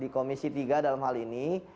di komisi tiga dalam hal ini